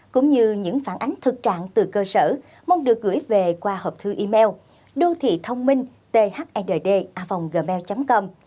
cũng như những phản ánh thực trạng từ cơ sở mong được gửi về qua hộp thư email đôthịthôngminhthnd gmail com